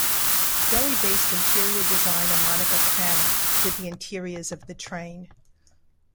Delhi-based interior designer Monica Khanna did the interiors of the train.